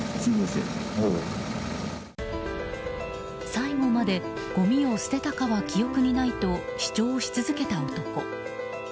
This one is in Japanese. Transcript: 最後まで、ごみを捨てたかは記憶にないと主張し続けた男。